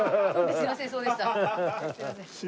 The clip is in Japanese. すいませんそうでした。